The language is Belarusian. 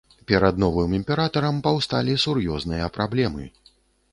Перад новым імператарам паўсталі сур'ёзныя праблемы.